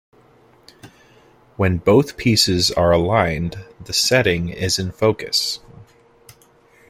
When both pieces are aligned the setting is in focus.